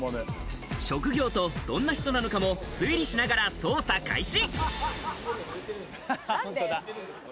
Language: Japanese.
職業と、どんな人なのかも推理しながら捜査開始！